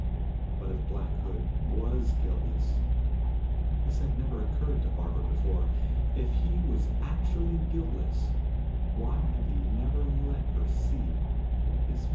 But if Black Hood was guiltless this had never occurred to Barbara before if he was actually guiltless, why had he never let her see his face?